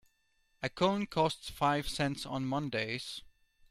A cone costs five cents on Mondays.